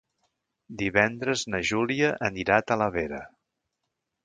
Divendres na Júlia anirà a Talavera.